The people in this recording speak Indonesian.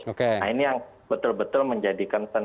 nah ini yang betul betul menjadi concern